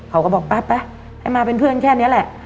เขาก็บอกป๊าให้มาเป็นเพื่อนแค่นี้แหละ